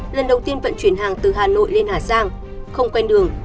lần đầu tiên vận chuyển hàng từ hà nội lên hà giang không quen đường